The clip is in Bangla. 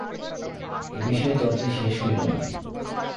এ বিষয়ে তর্কের শেষ হইল না।